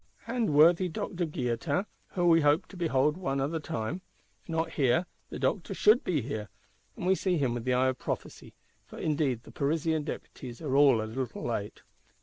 And worthy Doctor Guillotin, whom we hoped to behold one other time? If not here, the Doctor should be here, and we see him with the eye of prophecy: for indeed the Parisian Deputies are all a little late.